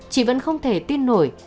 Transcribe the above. chị vẫn không thể tin nổi